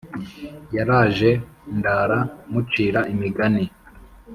Yaraje ndara mucira imigani